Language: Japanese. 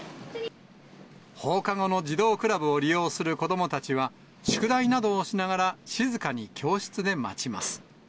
放課後の児童クラブを利用する子どもたちは、宿題などをしながら、静かに教室で待ちます。